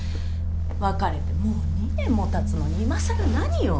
別れてもう２年もたつのにいまさら何よ。